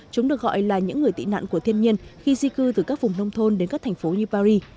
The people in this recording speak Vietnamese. chúng được gọi là những người tị nạn của thiên nhiên khi di cư từ các vùng nông thôn đến các thành phố như paris